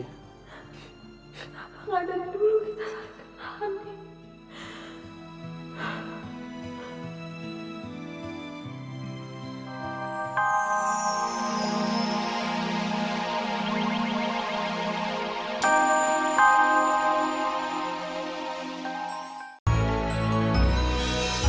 kenapa tidak dari dulu kita sangat kenal andi